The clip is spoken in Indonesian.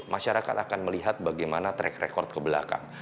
masyarakat akan melihat bagaimana track record ke belakang